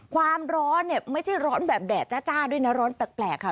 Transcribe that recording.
ความร้อนเนี่ยไม่ใช่ร้อนแบบแดดจ้าด้วยนะร้อนแปลกค่ะ